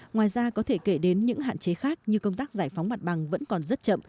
ngoài ra có thể kể đến những hạn chế khác như công tác giải phóng mặt bằng vẫn còn rất chậm